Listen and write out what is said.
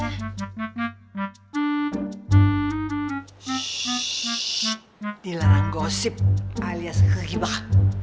ssss dilarang gosip alias kegibah